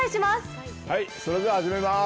それでは始めます。